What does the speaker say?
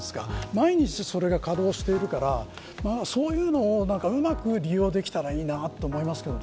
毎日それが稼働しているならそういうのをうまく利用できたらいいなと思いますけどね。